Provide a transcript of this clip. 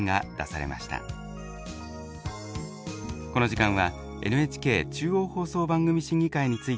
この時間はＮＨＫ中央放送番組審議会についてお伝えしました。